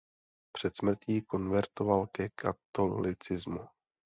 Před smrtí konvertoval ke katolicismu.